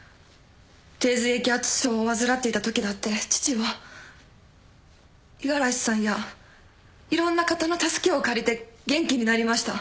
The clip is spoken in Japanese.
低髄液圧症を患っていたときだって父は五十嵐さんやいろんな方の助けを借りて元気になりました。